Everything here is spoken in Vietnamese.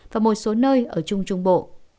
và một số nơi ở trung trung bộ